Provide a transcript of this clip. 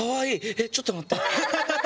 えっちょっと待って。